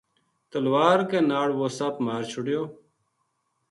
تلوار کے ناڑ وہ سپ مار چھوڈیو